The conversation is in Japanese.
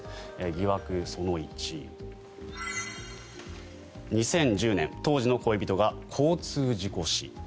疑惑その１、２０１０年当時の恋人が交通事故死。